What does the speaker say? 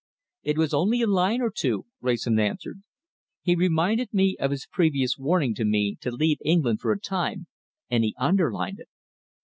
"It was only a line or two," Wrayson answered. "He reminded me of his previous warning to me to leave England for a time, and he underlined it.